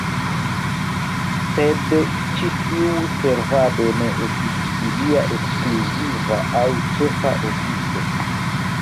Sed ĉi tiu servado ne estis ilia ekskluziva aŭ ĉefa ofico.